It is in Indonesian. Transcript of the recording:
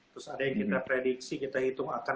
terus ada yang kita prediksi kita hitung akan